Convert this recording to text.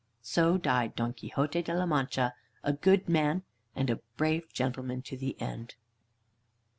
So died Don Quixote de la Mancha, a good man and a brave gentleman to the end.